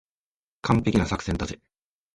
完璧な作戦だぜ。